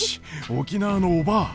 沖縄のおばぁ！